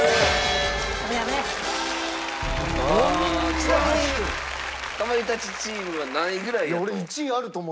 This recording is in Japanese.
ちなみにかまいたちチームは何位ぐらいやと？